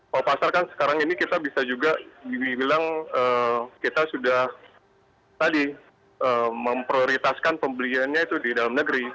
kalau pasar kan sekarang ini kita bisa juga dibilang kita sudah tadi memprioritaskan pembeliannya itu di dalam negeri